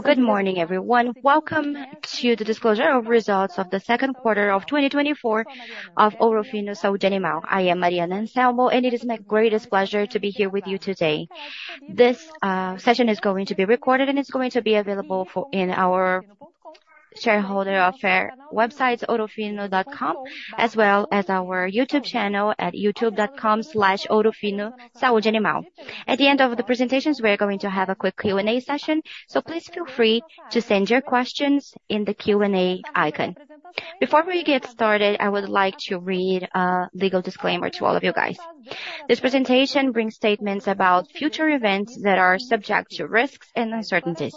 Good morning, everyone. Welcome to the disclosure of results of the second quarter of 2024 of Ourofino Saúde Animal. I am Mariana Anselmo, and it is my greatest pleasure to be here with you today. This session is going to be recorded and it's going to be available in our shareholder affairs website, ourofino.com, as well as our YouTube channel at youtube.com/ourofinosaudeanimal. At the end of the presentations, we are going to have a quick Q&A session, please feel free to send your questions in the Q&A icon. Before we get started, I would like to read a legal disclaimer to all of you guys. This presentation brings statements about future events that are subject to risks and uncertainties.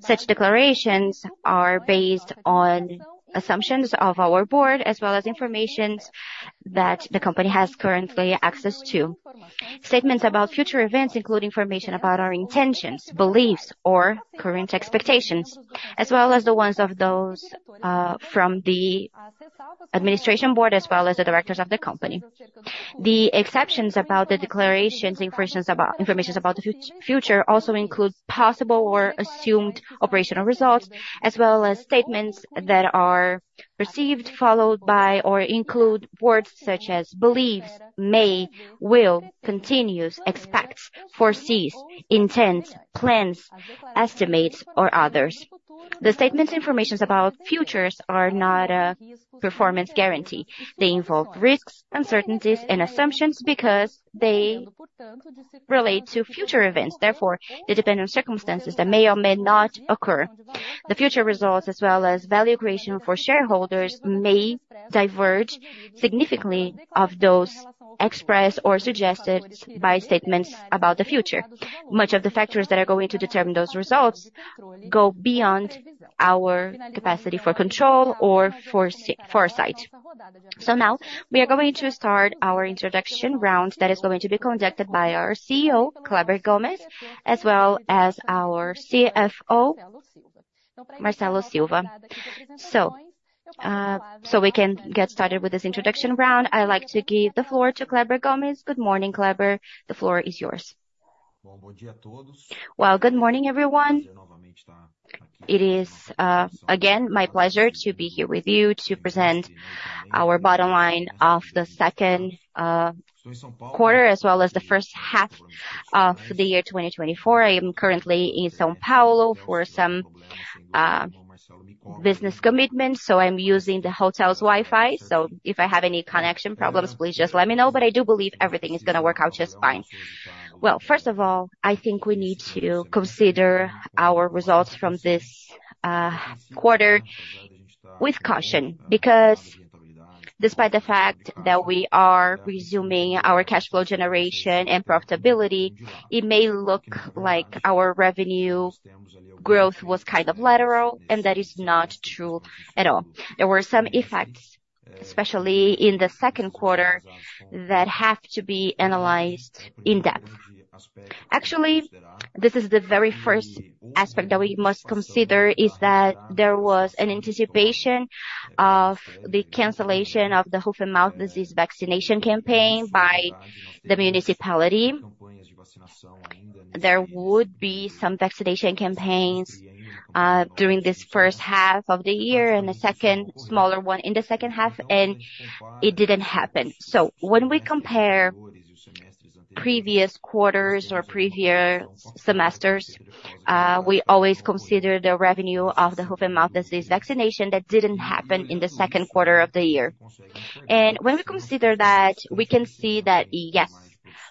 Such declarations are based on assumptions of our board, as well as informations that the company has currently access to. Statements about future events include information about our intentions, beliefs, or current expectations, as well as the ones of those from the administration board, as well as the directors of the company. The exceptions about the declarations informations about the future also include possible or assumed operational results, as well as statements that are perceived, followed by, or include words such as beliefs, may, will, continues, expects, foresees, intends, plans, estimates, or others. The statements informations about futures are not a performance guarantee. They involve risks, uncertainties, and assumptions because they relate to future events. Therefore, they depend on circumstances that may or may not occur. The future results as well as value creation for shareholders may diverge significantly of those expressed or suggested by statements about the future. Much of the factors that are going to determine those results go beyond our capacity for control or foresight. Now we are going to start our introduction round that is going to be conducted by our CEO, Kleber Gomes, as well as our CFO, Marcelo Silva. We can get started with this introduction round, I like to give the floor to Kleber Gomes. Good morning, Kleber. The floor is yours. Well, good morning, everyone. It is, again, my pleasure to be here with you to present our bottom line of the second quarter, as well as the first half of the year 2024. I am currently in São Paulo for some business commitments, so I'm using the hotel's Wi-Fi. If I have any connection problems, please just let me know, but I do believe everything is going to work out just fine. Well, first of all, I think we need to consider our results from this quarter with caution, because despite the fact that we are resuming our cash flow generation and profitability, it may look like our revenue growth was kind of lateral, and that is not true at all. There were some effects, especially in the second quarter, that have to be analyzed in depth. Actually, this is the very first aspect that we must consider is that there was an anticipation of the cancellation of the Foot-and-mouth disease vaccination campaign by the municipality. There would be some vaccination campaigns, during this first half of the year and a second smaller one in the second half, and it didn't happen. When we compare previous quarters or previous semesters, we always consider the revenue of the Foot-and-mouth disease vaccination that didn't happen in the second quarter of the year. When we consider that, we can see that, yes,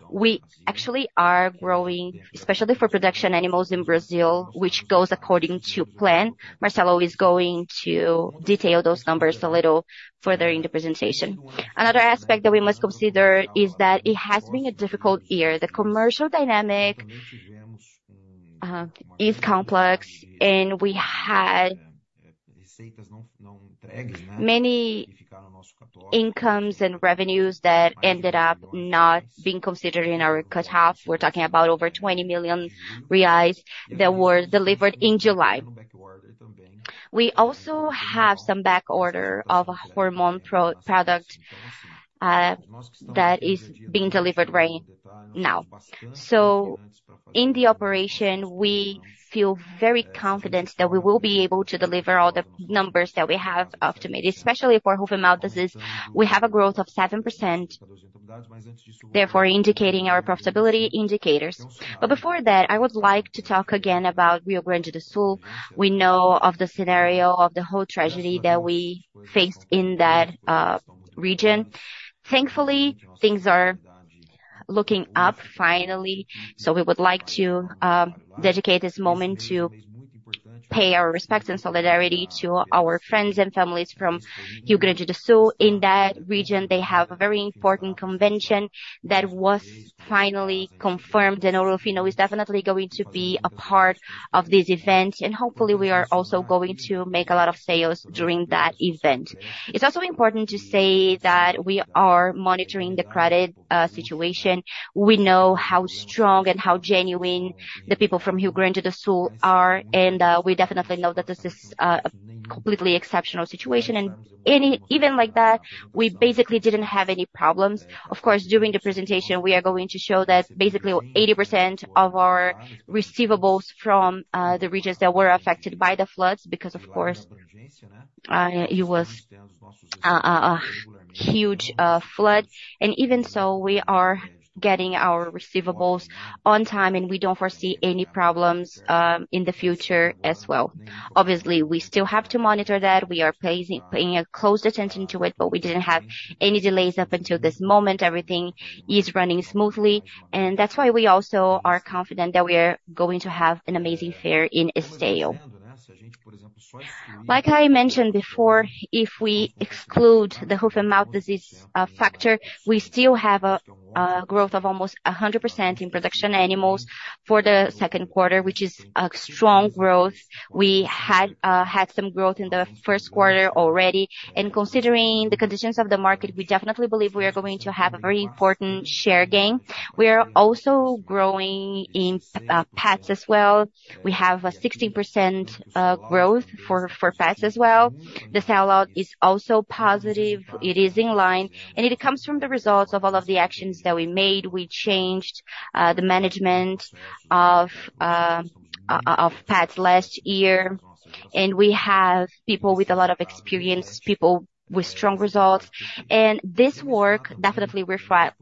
we actually are growing, especially for production animals in Brazil, which goes according to plan. Marcelo is going to detail those numbers a little further in the presentation. Another aspect that we must consider is that it has been a difficult year. The commercial dynamic is complex, and we had many incomes and revenues that ended up not being considered in our cut half. We are talking about over 20 million reais that were delivered in July. We also have some back order of hormone product that is being delivered right now. In the operation, we feel very confident that we will be able to deliver all the numbers that we have estimated. Especially for Foot-and-mouth disease, we have a growth of 7%, therefore indicating our profitability indicators. Before that, I would like to talk again about Rio Grande do Sul. We know of the scenario of the whole tragedy that we faced in that region. Thankfully, things are looking up finally. We would like to dedicate this moment to pay our respects and solidarity to our friends and families from Rio Grande do Sul. In that region, they have a very important convention that was finally confirmed, and Ourofino is definitely going to be a part of this event, and hopefully we are also going to make a lot of sales during that event. It's also important to say that we are monitoring the credit situation. We know how strong and how genuine the people from Rio Grande do Sul are, and we definitely know that this is a completely exceptional situation. Even like that, we basically didn't have any problems. Of course, during the presentation, we are going to show that basically 80% of our receivables from the regions that were affected by the floods, because of course, it was huge floods. Even so, we are getting our receivables on time, and we don't foresee any problems in the future as well. Obviously, we still have to monitor that. We are paying close attention to it, but we didn't have any delays up until this moment. Everything is running smoothly, and that's why we also are confident that we are going to have an amazing fair in Esteio. Like I mentioned before, if we exclude the Foot-and-mouth disease factor, we still have a growth of almost 100% in production animals for the second quarter, which is a strong growth. We had some growth in the first quarter already. Considering the conditions of the market, we definitely believe we are going to have a very important share gain. We are also growing in pets as well. We have a 16% growth for pets as well. The sell-out is also positive. It is in line, and it comes from the results of all of the actions that we made. We changed the management of pets last year, and we have people with a lot of experience, people with strong results. This work definitely reflects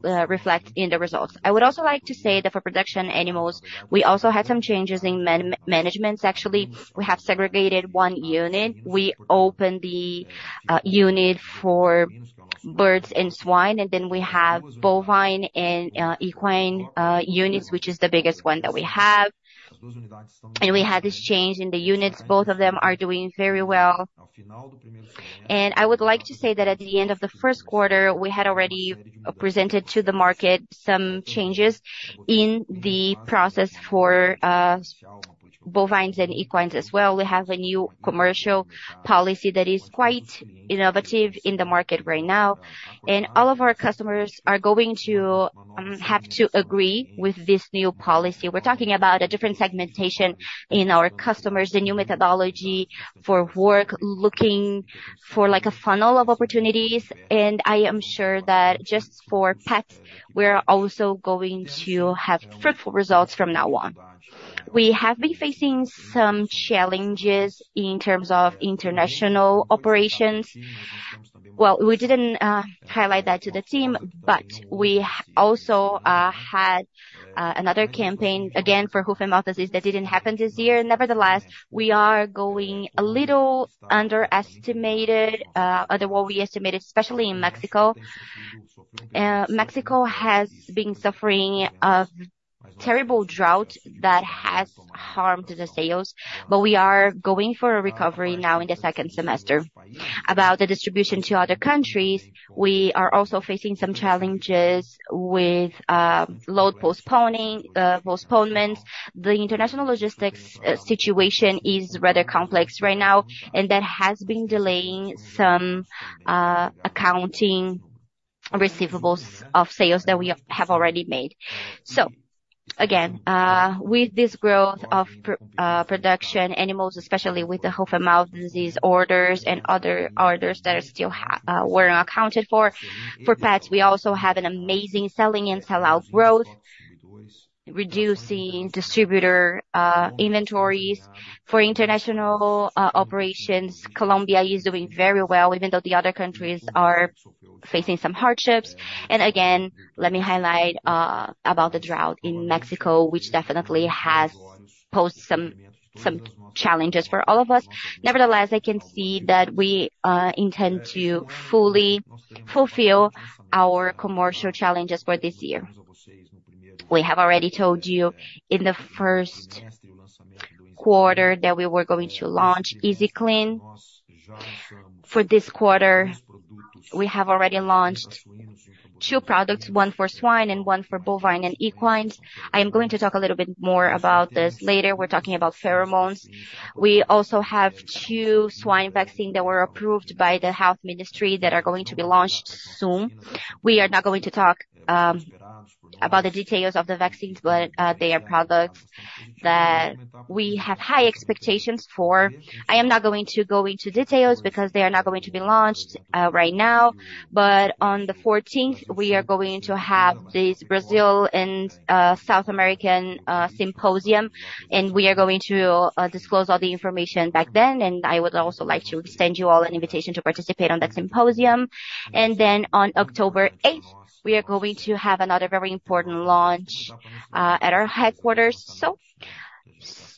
in the results. I would also like to say that for production animals, we also had some changes in management. Actually, we have segregated one unit. We opened the unit for birds and swine, and then we have bovine and equine units, which is the biggest one that we have. We had this change in the units. Both of them are doing very well. I would like to say that at the end of the first quarter, we had already presented to the market some changes in the process for bovines and equines as well. We have a new commercial policy that is quite innovative in the market right now, all of our customers are going to have to agree with this new policy. We're talking about a different segmentation in our customers, the new methodology for work, looking for a funnel of opportunities. I am sure that just for pets, we're also going to have fruitful results from now on. We have been facing some challenges in terms of international operations. We didn't highlight that to the team, but we also had another campaign, again for Foot-and-mouth disease, that didn't happen this year. Nevertheless, we are going a little underestimated, under what we estimated, especially in Mexico. Mexico has been suffering a terrible drought that has harmed the sales, we are going for a recovery now in the second semester. About the distribution to other countries, we are also facing some challenges with load postponements. The international logistics situation is rather complex right now, that has been delaying some accounting receivables of sales that we have already made. Again, with this growth of production animals, especially with the Foot-and-mouth disease orders and other orders that still were unaccounted for. For pets, we also have an amazing selling and sell-out growth, reducing distributor inventories. For international operations, Colombia is doing very well, even though the other countries are facing some hardships. Again, let me highlight about the drought in Mexico, which definitely has posed some challenges for all of us. Nevertheless, I can see that we intend to fully fulfill our commercial challenges for this year. We have already told you in the first quarter that we were going to launch Easy Clean. For this quarter, we have already launched two products, one for swine and one for bovine and equines. I am going to talk a little bit more about this later. We're talking about pheromones. We also have two swine vaccines that were approved by the Health Ministry that are going to be launched soon. We are not going to talk about the details of the vaccines, they are products that we have high expectations for. I am not going to go into details because they are not going to be launched right now. On the 14th, we are going to have this Brazil and South American symposium, we are going to disclose all the information back then, I would also like to extend you all an invitation to participate in that symposium. On October 8th, we are going to have another very important launch at our headquarters.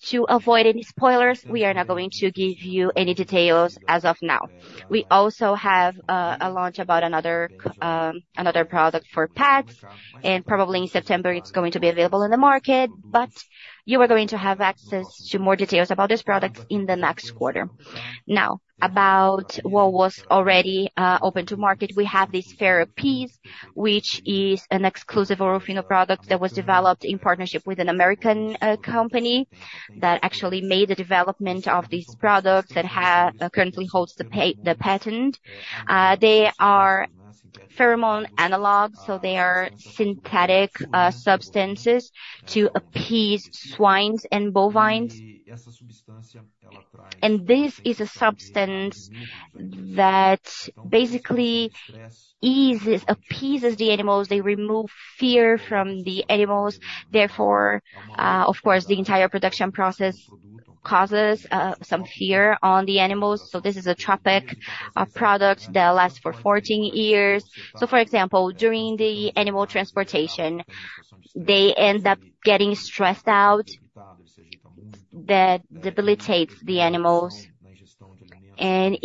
To avoid any spoilers, we are not going to give you any details as of now. We also have a launch about another product for pets, probably in September, it's going to be available in the market, you are going to have access to more details about this product in the next quarter. Now, about what was already open to market. We have this FerAppease, which is an exclusive Ourofino product that was developed in partnership with an American company that actually made the development of this product that currently holds the patent. They are pheromone analogs, so they are synthetic substances to appease swines and bovines. This is a substance that basically eases, appeases the animals. They remove fear from the animals, therefore, of course, the entire production process causes some fear on the animals. This is a tropic product that lasts for 14 years. For example, during the animal transportation, they end up getting stressed out. That debilitates the animals, and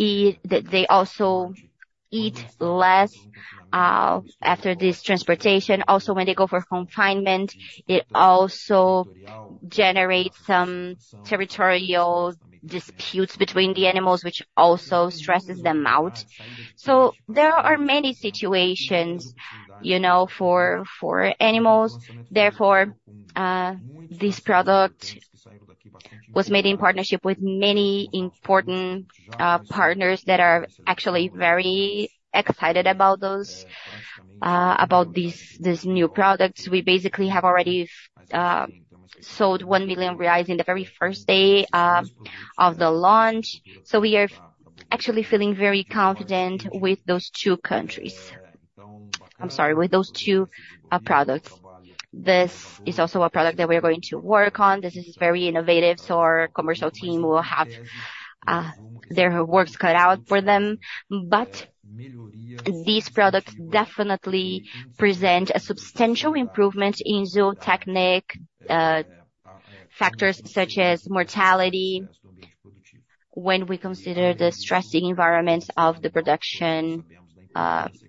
they also eat less after this transportation. Also, when they go for confinement, it also generates some territorial disputes between the animals, which also stresses them out. There are many situations for animals. Therefore, this product was made in partnership with many important partners that are actually very excited about this new product. We basically have already sold 1 million reais in the very first day of the launch. We are actually feeling very confident with those two products. This is also a product that we are going to work on. This is very innovative, our commercial team will have their works cut out for them. These products definitely present a substantial improvement in zoo technique, factors such as mortality when we consider the stressing environments of the production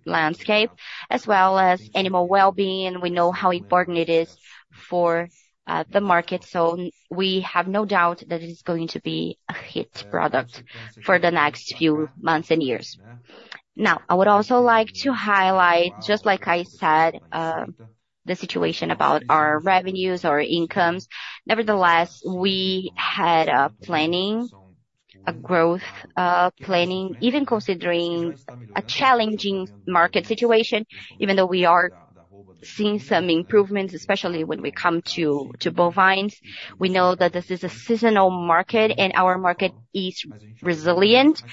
landscape, as well as animal well-being. We know how important it is for the market. We have no doubt that it is going to be a hit product for the next few months and years. Now, I would also like to highlight, just like I said, the situation about our revenues, our incomes. Nevertheless, we had a planning, a growth planning, even considering a challenging market situation, even though we are seeing some improvements, especially when we come to bovines. We know that this is a seasonal market and our market is resilient.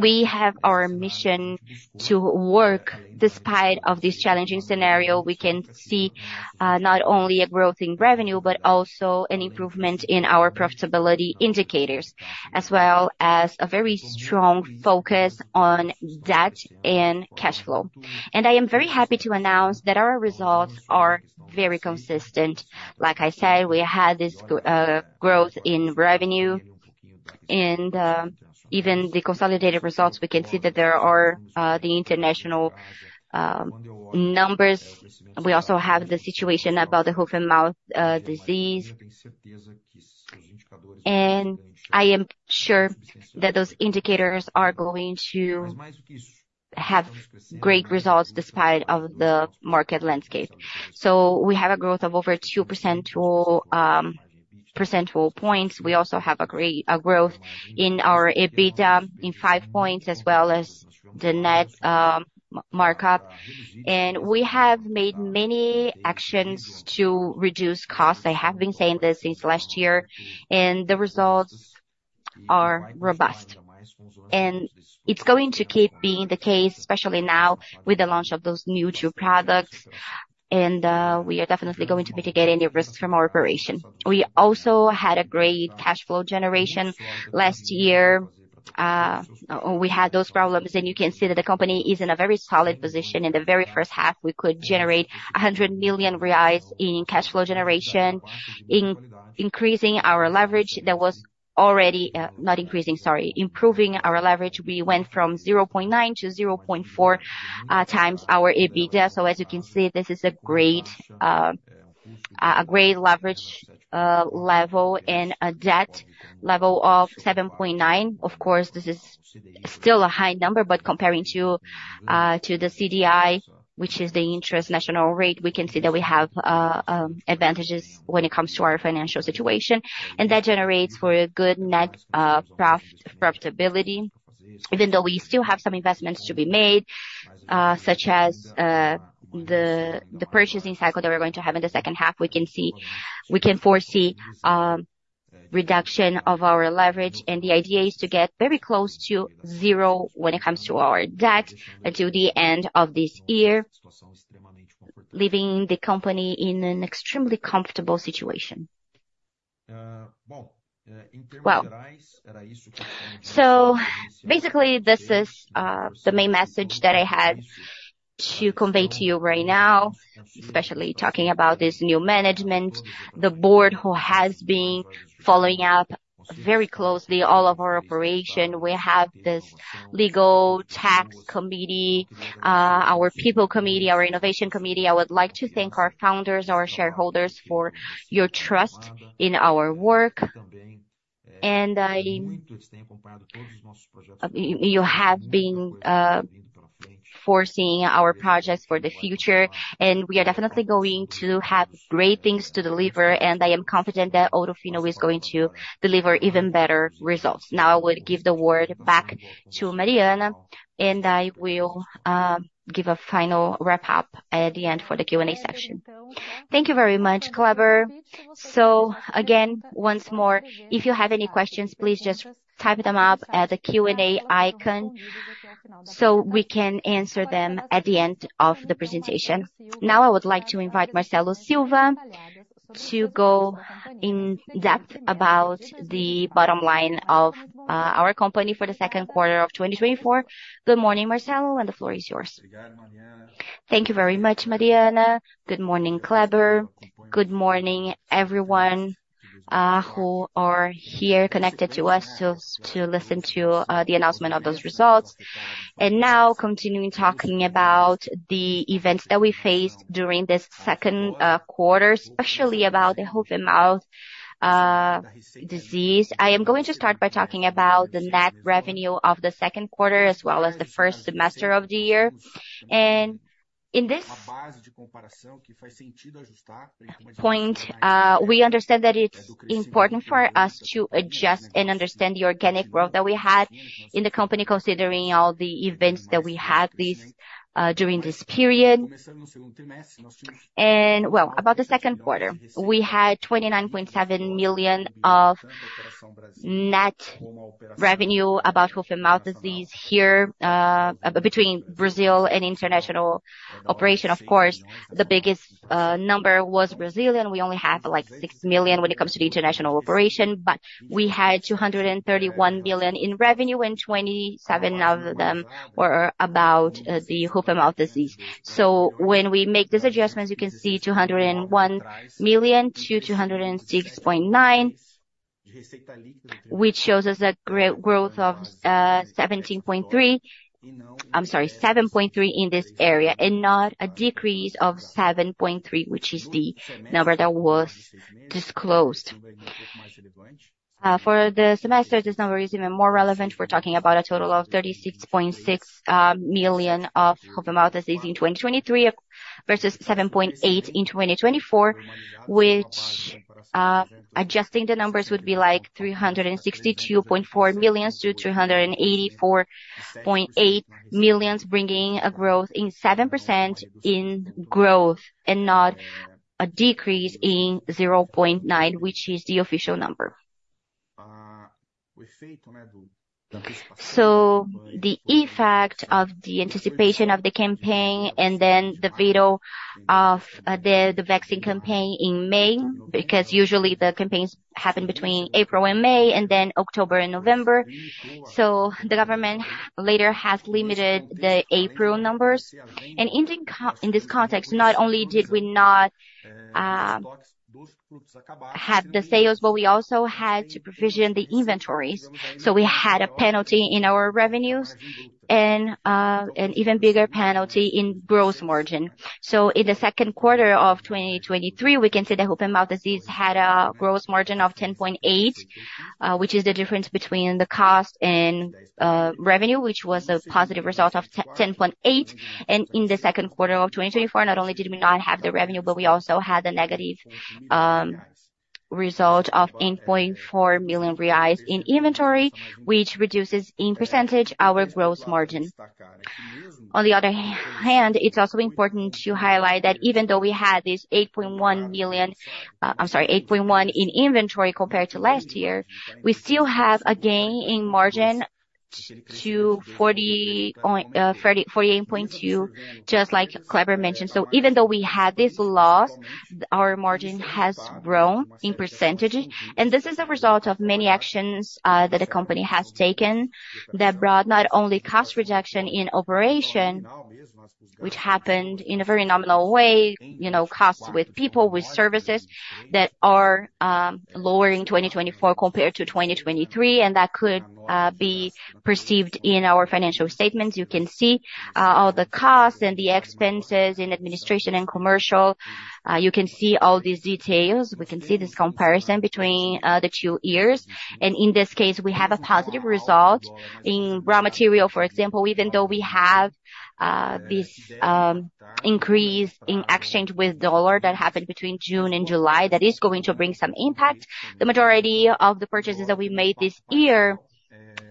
We have our mission to work despite of this challenging scenario. We can see not only a growth in revenue, but also an improvement in our profitability indicators, as well as a very strong focus on debt and cash flow. I am very happy to announce that our results are very consistent. Like I said, we had this growth in revenue and even the consolidated results, we can see that there are the international numbers. We also have the situation about the Foot-and-mouth disease. I am sure that those indicators are going to have great results despite of the market landscape. We have a growth of over 2 percentual points. We also have a growth in our EBITDA in 5 points as well as the net markup. We have made many actions to reduce costs. I have been saying this since last year, the results are robust. It's going to keep being the case, especially now with the launch of those new two products, we are definitely going to be mitigating the risks from our operation. We also had a great cash flow generation last year. We had those problems, and you can see that the company is in a very solid position. In the very first half, we could generate 100 million reais in cash flow generation, increasing our leverage that was already. Not increasing, sorry. Improving our leverage. We went from 0.9 to 0.4 times our EBITDA. As you can see, this is a great leverage level and a debt level of 7.9. Of course, this is still a high number, but comparing to the CDI, which is the interest national rate, we can see that we have advantages when it comes to our financial situation, and that generates for a good net profitability. Even though we still have some investments to be made, such as the purchasing cycle that we're going to have in the second half, we can foresee a reduction of our leverage, and the idea is to get very close to zero when it comes to our debt until the end of this year, leaving the company in an extremely comfortable situation. Basically, this is the main message that I had to convey to you right now, especially talking about this new management, the board who has been following up very closely all of our operation. We have this legal tax committee, our people committee, our innovation committee. I would like to thank our founders, our shareholders for your trust in our work. You have been foreseeing our projects for the future, and we are definitely going to have great things to deliver, and I am confident that Ourofino is going to deliver even better results. Now, I would give the word back to Mariana, and I will give a final wrap-up at the end for the Q&A session. Thank you very much, Kleber. Again, once more, if you have any questions, please just type them up at the Q&A icon so we can answer them at the end of the presentation. Now I would like to invite Marcelo Silva to go in depth about the bottom line of our company for the second quarter of 2024. Good morning, Marcelo, and the floor is yours. Thank you very much, Mariana. Good morning, Kleber. Good morning, everyone who are here connected to us to listen to the announcement of those results. Now continuing talking about the events that we faced during this second quarter, especially about the Foot-and-mouth disease. I am going to start by talking about the net revenue of the second quarter, as well as the first semester of the year. In this point, we understand that it's important for us to adjust and understand the organic growth that we had in the company, considering all the events that we had during this period. About the second quarter, we had 29.7 million of net revenue, about Foot-and-mouth disease here, between Brazil and international operation. Of course, the biggest number was Brazilian. We only have 6 million when it comes to the international operation. We had 231 million in revenue and 27 million of them were about the Foot-and-mouth disease. When we make these adjustments, you can see 201 million to 206.9 million, which shows us a growth of 17.3%-- I'm sorry, 7.3% in this area, and not a decrease of 7.3%, which is the number that was disclosed. For the semester, this number is even more relevant. We're talking about a total of 36.6 million of Foot-and-mouth disease in 2023 versus 7.8 million in 2024, which, adjusting the numbers would be 362.4 million to 384.8 million, bringing a growth in 7% in growth and not a decrease in 0.9%, which is the official number. The effect of the anticipation of the campaign and then the veto of the vaccine campaign in May, because usually the campaigns happen between April and May and then October and November. The government later has limited the April numbers. In this context, not only did we not have the sales, but we also had to provision the inventories. We had a penalty in our revenues and an even bigger penalty in gross margin. In the second quarter of 2023, we can see the Foot-and-mouth disease had a gross margin of 10.8%, which is the difference between the cost and revenue, which was a positive result of 10.8%. In the second quarter of 2024, not only did we not have the revenue, but we also had a negative result of 8.4 million reais in inventory, which reduces in percentage our gross margin. On the other hand, it's also important to highlight that even though we had this 8.1 million in inventory compared to last year, we still have a gain in margin to 48.2%, just like Kleber mentioned. Even though we had this loss, our margin has grown in percentage, this is a result of many actions that the company has taken that brought not only cost reduction in operation, which happened in a very nominal way, costs with people, with services that are lowering 2024 compared to 2023, that could be perceived in our financial statements. You can see all the costs and the expenses in administration and commercial. You can see all these details. We can see this comparison between the two years. In this case, we have a positive result in raw material. For example, even though we have this increase in exchange with USD that happened between June and July, that is going to bring some impact. The majority of the purchases that we made this year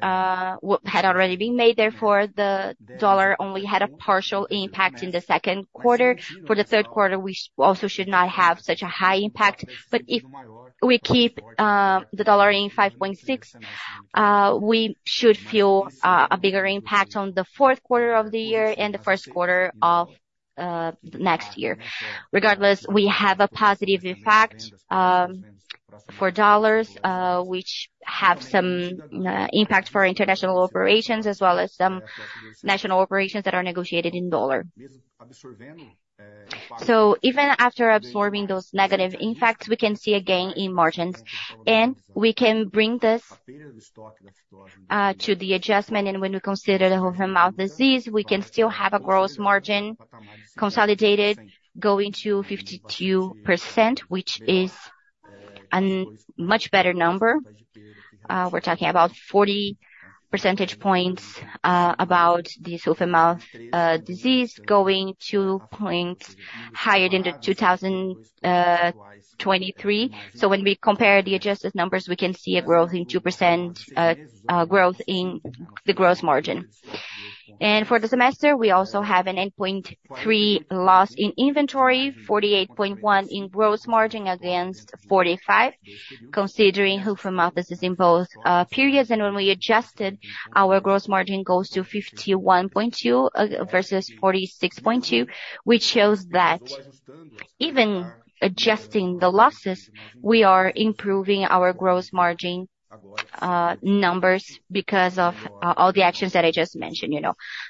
had already been made, therefore, the USD only had a partial impact in the second quarter. For the third quarter, we also should not have such a high impact, but if we keep the USD in BRL 5.6, we should feel a bigger impact on the fourth quarter of the year and the first quarter of next year. Regardless, we have a positive effect for USD, which have some impact for international operations as well as some national operations that are negotiated in USD. Even after absorbing those negative impacts, we can see a gain in margins, we can bring this to the adjustment. When we consider the Foot-and-mouth disease, we can still have a gross margin consolidated going to 52%, which is a much better number. We're talking about 40 percentage points about this Foot-and-mouth disease going 2 points higher than the 2023. When we compare the adjusted numbers, we can see a growth in 2% growth in the gross margin. For the semester, we also have a 8.3 loss in inventory, 48.1% in gross margin against 45%, considering Foot-and-mouth disease in both periods. When we adjusted, our gross margin goes to 51.2% versus 46.2%, which shows that even adjusting the losses, we are improving our gross margin numbers because of all the actions that I just mentioned.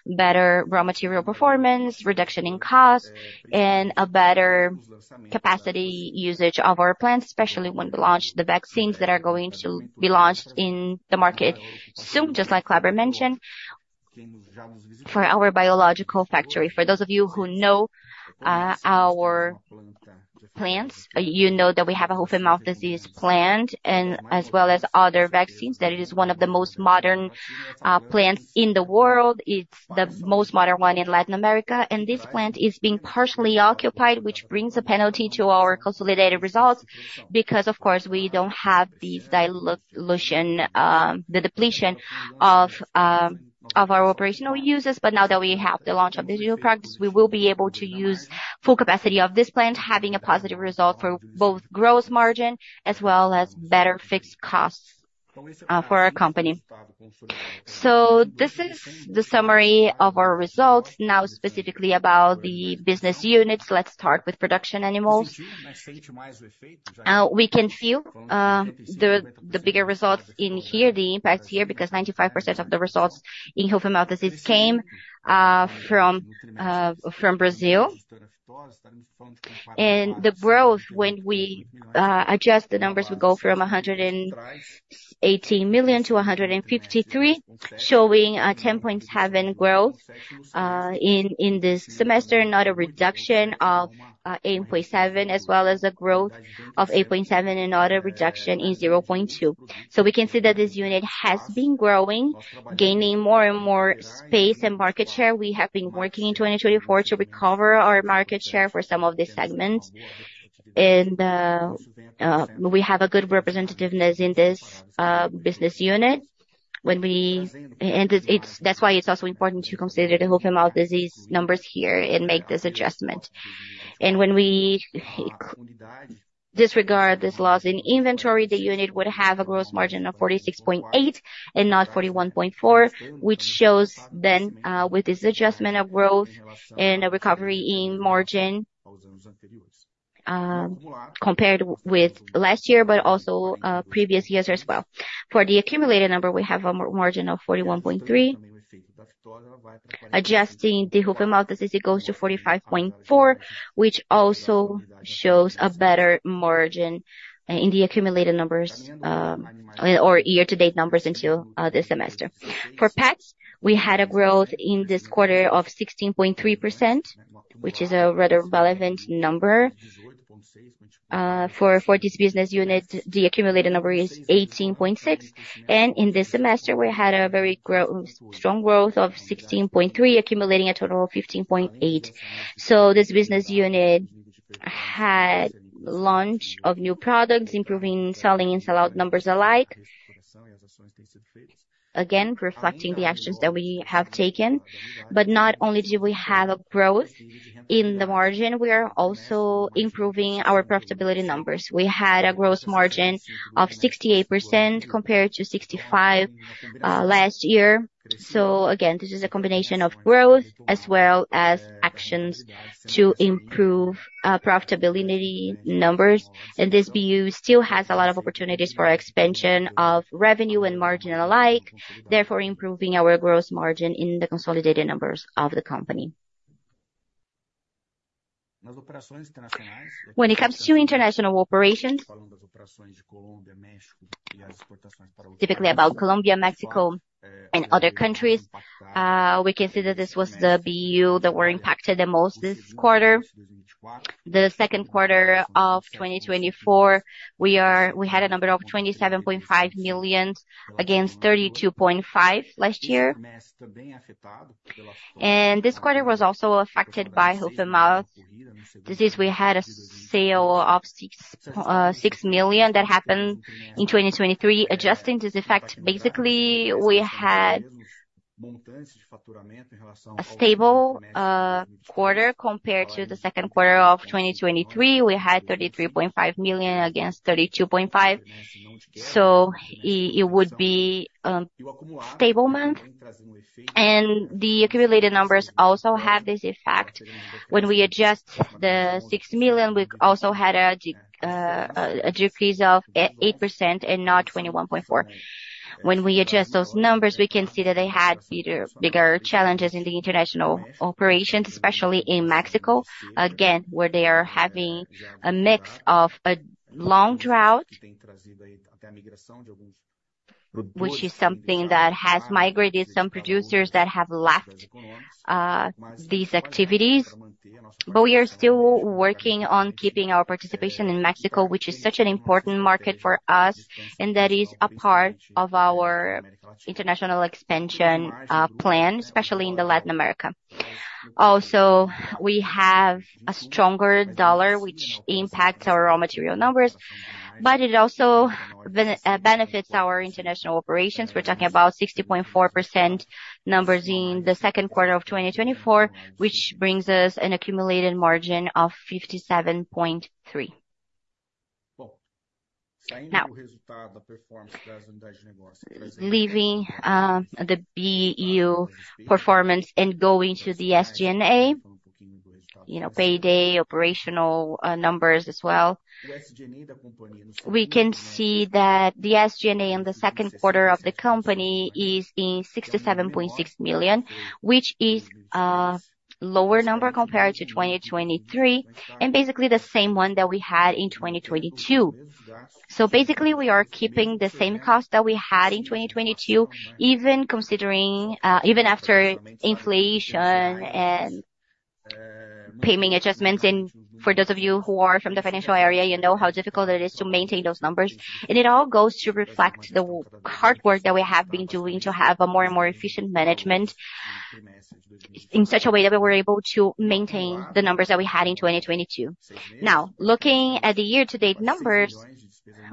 Better raw material performance, reduction in cost, and a better capacity usage of our plants, especially when we launch the vaccines that are going to be launched in the market soon, just like Kleber mentioned. For our biological factory, for those of you who know our plants, you know that we have a Foot-and-mouth disease plant as well as other vaccines. It is one of the most modern plants in the world. It's the most modern one in Latin America. This plant is being partially occupied, which brings a penalty to our consolidated results because, of course, we don't have the depletion of our operational uses. Now that we have the launch of the new products, we will be able to use full capacity of this plant, having a positive result for both gross margin as well as better fixed costs for our company. This is the summary of our results. Now specifically about the business units. Let's start with production animals. We can feel the bigger results in here, the impact here, because 95% of the results in Foot-and-mouth disease came from Brazil. The growth, when we adjust the numbers, we go from 180 million to 153 million, showing a 10.7% growth in this semester, not a reduction of 8.7%, as well as a growth of 8.7% and not a reduction in 0.2%. We can see that this unit has been growing, gaining more and more space and market share. We have been working in 2024 to recover our market share for some of these segments. We have a good representativeness in this business unit. That's why it's also important to consider the Foot-and-mouth disease numbers here and make this adjustment. When we disregard this loss in inventory, the unit would have a gross margin of 46.8% and not 41.4%, which shows then with this adjustment of growth and a recovery in margin compared with last year, but also previous years as well. For the accumulated number, we have a margin of 41.3%. Adjusting the Foot-and-mouth disease, it goes to 45.4%, which also shows a better margin in the accumulated numbers or year-to-date numbers until this semester. For pets, we had a growth in this quarter of 16.3%, which is a rather relevant number. For this business unit, the accumulated number is 18.6%, and in this semester, we had a very strong growth of 16.3%, accumulating a total of 15.8%. This business unit had launch of new products, improving selling and sell out numbers alike. Again, reflecting the actions that we have taken. Not only do we have a growth in the margin, we are also improving our profitability numbers. We had a gross margin of 68% compared to 65% last year. Again, this is a combination of growth as well as actions to improve profitability numbers. This BU still has a lot of opportunities for expansion of revenue and margin alike, therefore improving our gross margin in the consolidated numbers of the company. When it comes to international operations, typically about Colombia, Mexico, and other countries, we can see that this was the BU that were impacted the most this quarter. The second quarter of 2024, we had a number of 27.5 million against 32.5 million last year. This quarter was also affected by Foot-and-mouth disease. We had a sale of 6 million that happened in 2023. Adjusting this effect, basically, we had a stable quarter compared to the second quarter of 2023. We had 33.5 million against 32.5 million. It would be stable month. The accumulated numbers also have this effect. When we adjust the 6 million, we also had a decrease of 8% and not 21.4%. When we adjust those numbers, we can see that they had bigger challenges in the international operations, especially in Mexico, again, where they are having a mix of a long drought, which is something that has migrated some producers that have left these activities. We are still working on keeping our participation in Mexico, which is such an important market for us, and that is a part of our international expansion plan, especially in Latin America. We have a stronger dollar, which impacts our raw material numbers, but it also benefits our international operations. We're talking about 60.4% numbers in the second quarter of 2024, which brings us an accumulated margin of 57.3%. Leaving the BU performance and going to the SG&A Payday operational numbers as well. We can see that the SG&A in the second quarter of the company is in 67.6 million, which is a lower number compared to 2023, and basically the same one that we had in 2022. Basically, we are keeping the same cost that we had in 2022, even after inflation and payment adjustments. For those of you who are from the financial area, you know how difficult it is to maintain those numbers. It all goes to reflect the hard work that we have been doing to have a more and more efficient management, in such a way that we're able to maintain the numbers that we had in 2022. Looking at the year-to-date numbers,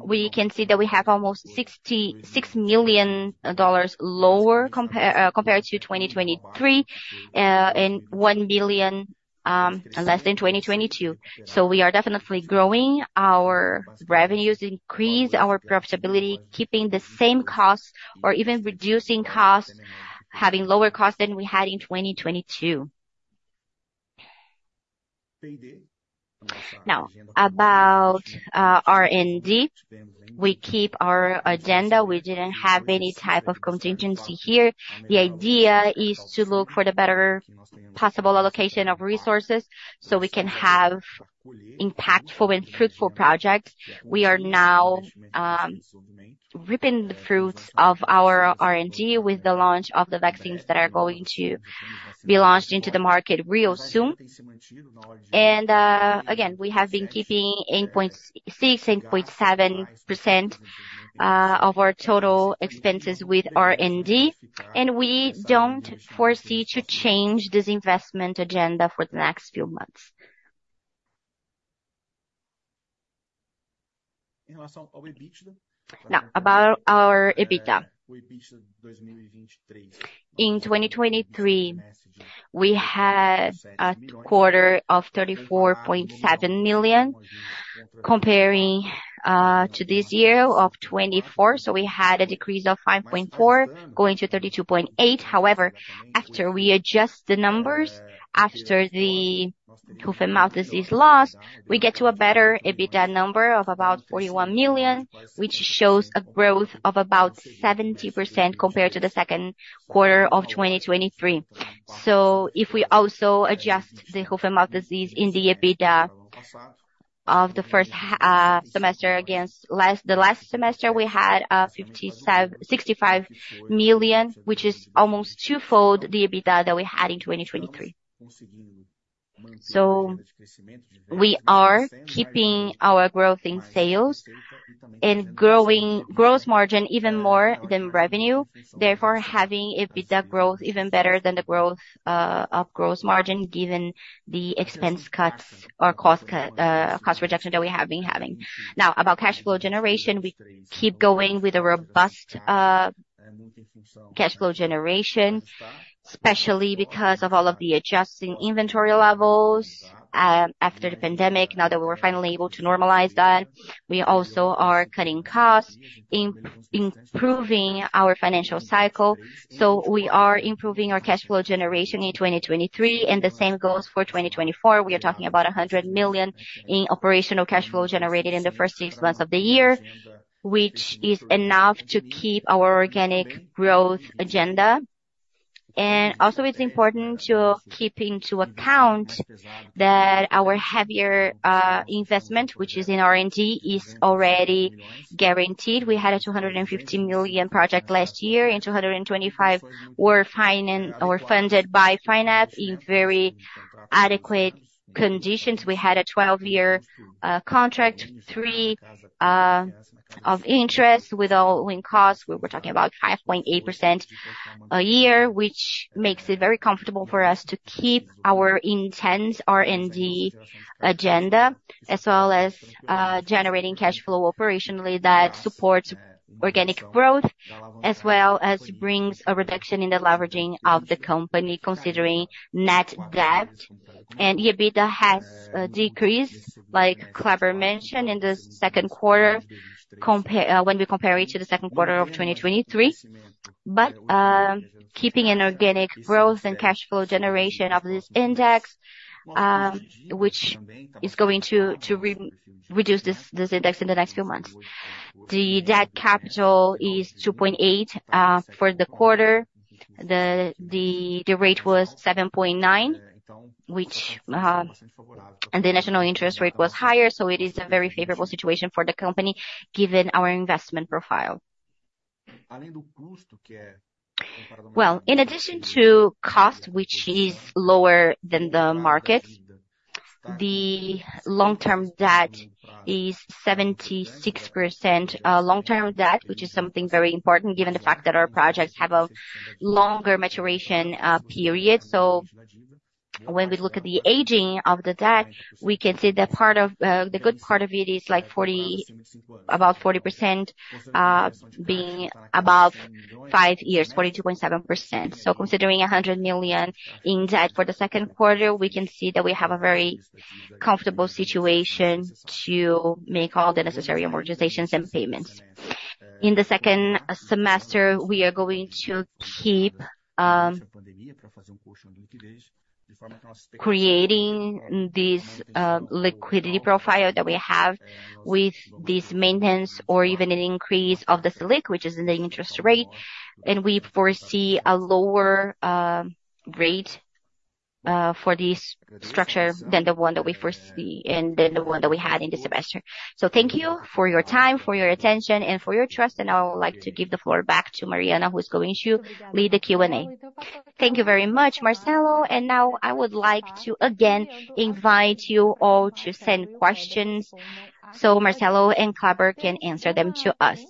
we can see that we have almost BRL 66 million lower compared to 2023, and 1 billion less than 2022. We are definitely growing our revenues, increase our profitability, keeping the same costs, or even reducing costs, having lower costs than we had in 2022. About R&D, we keep our agenda. We didn't have any type of contingency here. The idea is to look for the better possible allocation of resources so we can have impactful and fruitful projects. We are now reaping the fruits of our R&D with the launch of the vaccines that are going to be launched into the market real soon. Again, we have been keeping 6.7% of our total expenses with R&D. We don't foresee to change this investment agenda for the next few months. About our EBITDA. In 2023, we had 34.7 million comparing to this year of 2024. We had a decrease of 5.4 going to 32.8. However, after we adjust the numbers, after the Foot-and-mouth disease loss, we get to a better EBITDA number of about 41 million, which shows a growth of about 70% compared to the second quarter of 2023. If we also adjust the Foot-and-mouth disease in the EBITDA of the first semester against the last semester, we had 65 million, which is almost twofold the EBITDA that we had in 2023. We are keeping our growth in sales and growing gross margin even more than revenue, therefore, having EBITDA growth even better than the growth of gross margin, given the expense cuts or cost reduction that we have been having. Now, about cash flow generation, we keep going with a robust cash flow generation, especially because of all of the adjusting inventory levels, after the pandemic. Now that we're finally able to normalize that, we also are cutting costs, improving our financial cycle. We are improving our cash flow generation in 2023. The same goes for 2024. We are talking about 100 million in operational cash flow generated in the first six months of the year, which is enough to keep our organic growth agenda. Also it's important to keep into account that our heavier investment, which is in R&D, is already guaranteed. We had a 250 million project last year and 225 were funded by FINEP in very adequate conditions. We had a 12-year contract, three of interest with all in costs. We were talking about 5.8% a year, which makes it very comfortable for us to keep our intense R&D agenda as well as generating cash flow operationally that supports organic growth as well as brings a reduction in the leveraging of the company considering net debt. EBITDA has decreased, like Kleber mentioned, when we compare it to the second quarter of 2023. Keeping an organic growth and cash flow generation of this index, which is going to reduce this index in the next few months. The debt capital is 2.80. For the quarter, the rate was 7.9% and the national interest rate was higher, it is a very favorable situation for the company given our investment profile. Well, in addition to cost, which is lower than the market, the long-term debt is 76% long-term debt, which is something very important given the fact that our projects have a longer maturation period. When we look at the aging of the debt, we can see the good part of it is about 40% being above five years, 42.7%. Considering 100 million in debt for the second quarter, we can see that we have a very comfortable situation to make all the necessary amortizations and payments. In the second semester, we are going to keep creating this liquidity profile that we have with this maintenance or even an increase of the Selic, which is in the interest rate. We foresee a lower rate for this structure than the one that we had in this semester. Thank you for your time, for your attention and for your trust. I would like to give the floor back to Mariana, who is going to lead the Q&A. Thank you very much, Marcelo. Now I would like to again invite you all to send questions Marcelo and Cleber can answer them to us.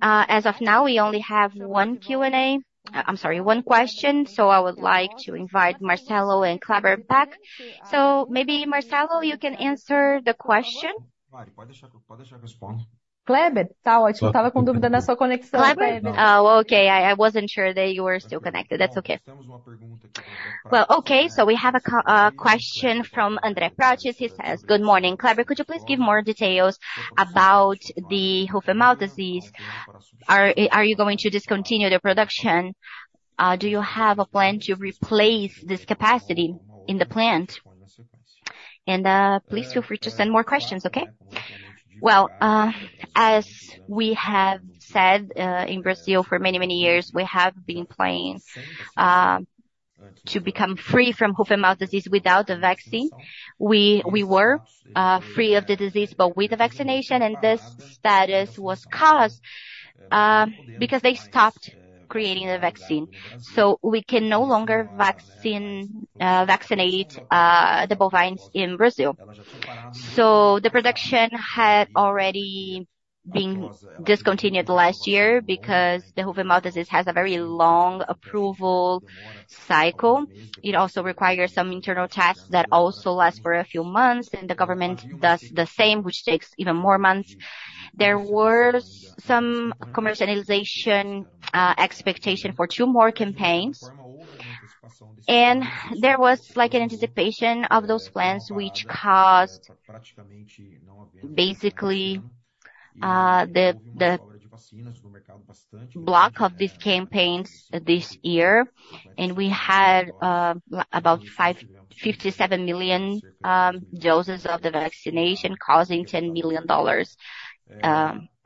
As of now, we only have one question. I would like to invite Marcelo and Cleber back. Maybe Marcelo, you can answer the question. Mari, you can leave it, I will respond. Cleber? Okay. I wasn't sure that you were still connected. That is okay. Okay, we have a question from Andre Protus. He says, "Good morning. Cleber, could you please give more details about the Foot-and-mouth disease? Are you going to discontinue the production? Do you have a plan to replace this capacity in the plant?" Please feel free to send more questions, okay? As we have said, in Brazil for many, many years, we have been planning to become free from Foot-and-mouth disease without the vaccine. We were free of the disease, but with the vaccination. This status was caused because they stopped creating the vaccine. We can no longer vaccinate the bovines in Brazil. The production had already been discontinued last year because the Foot-and-mouth disease has a very long approval cycle. It also requires some internal tests that also last for a few months, and the government does the same, which takes even more months. There were some commercialization expectation for two more campaigns. There was an anticipation of those plans, which caused basically, the block of these campaigns this year. We had about 57 million doses of the vaccination causing BRL 10 million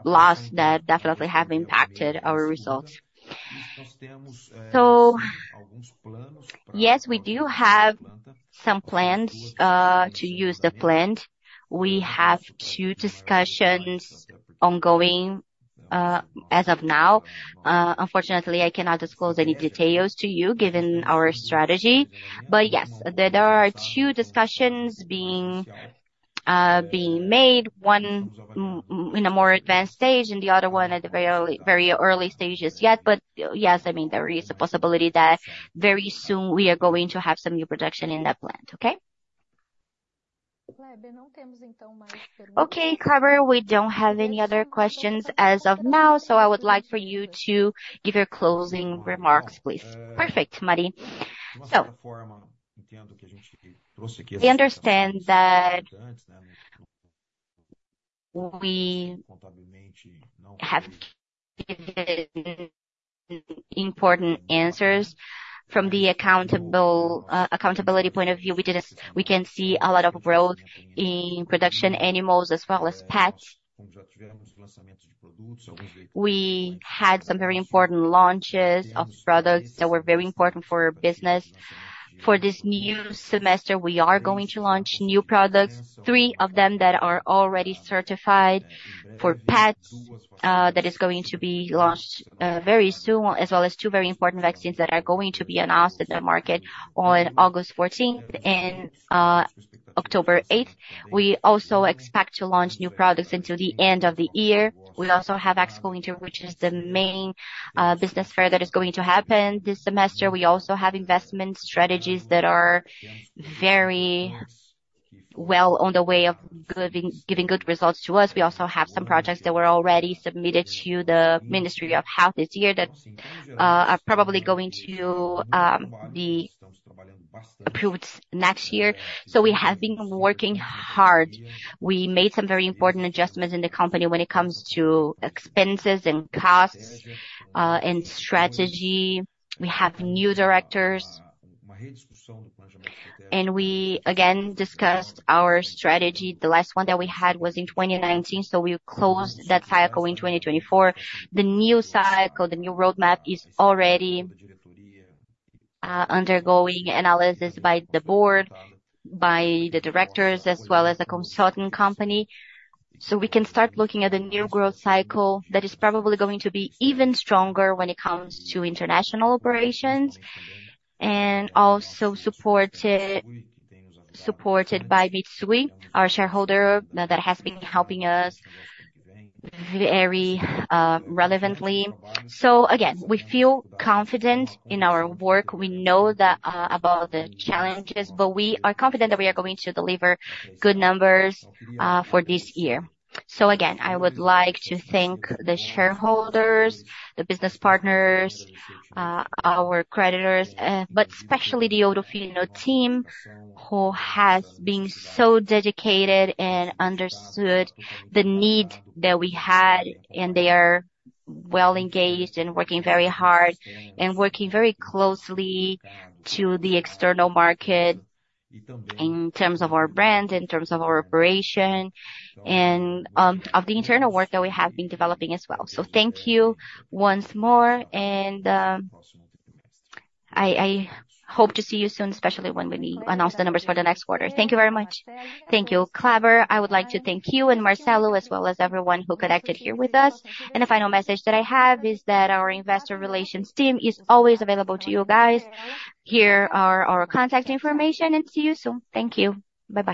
loss that definitely have impacted our results. Yes, we do have some plans to use the plant. We have two discussions ongoing as of now. Unfortunately, I cannot disclose any details to you given our strategy. Yes, there are two discussions being made, one in a more advanced stage and the other one at the very early stages yet. Yes, there is a possibility that very soon we are going to have some new production in that plant. Okay? Okay, Cleber, we don't have any other questions as of now. I would like for you to give your closing remarks, please. Perfect, Mari. We understand that we have given important answers. From the accountability point of view, we can see a lot of growth in production animals as well as pets. We had some very important launches of products that were very important for our business. For this new semester, we are going to launch new products, three of them that are already certified for pets, that is going to be launched very soon, as well as two very important vaccines that are going to be announced in the market on August 14th and October 8th. We also expect to launch new products until the end of the year. We also have Expointer, which is the main business fair that is going to happen this semester. We also have investment strategies that are very well on the way of giving good results to us. We also have some projects that were already submitted to the Ministry of Health this year that are probably going to be approved next year. We have been working hard. We made some very important adjustments in the company when it comes to expenses and costs and strategy. We have new directors. We again discussed our strategy. The last one that we had was in 2019, so we closed that cycle in 2024. The new cycle, the new roadmap is already undergoing analysis by the board, by the directors, as well as the consulting company. We can start looking at the new growth cycle that is probably going to be even stronger when it comes to international operations, and also supported by Mitsui, our shareholder, that has been helping us very relevantly. Again, we feel confident in our work. We know about the challenges, but we are confident that we are going to deliver good numbers for this year. Again, I would like to thank the shareholders, the business partners, our creditors, but especially the Ourofino team, who has been so dedicated and understood the need that we had, and they are well engaged and working very hard and working very closely to the external market in terms of our brand, in terms of our operation, and of the internal work that we have been developing as well. Thank you once more, and I hope to see you soon, especially when we announce the numbers for the next quarter. Thank you very much. Thank you, Kleber. I would like to thank you and Marcelo, as well as everyone who connected here with us. The final message that I have is that our investor relations team is always available to you guys. Here are our contact information, and see you soon. Thank you. Bye-bye.